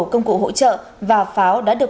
công cụ hỗ trợ và pháo đã được